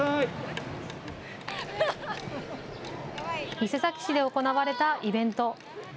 伊勢崎市で行われたイベント。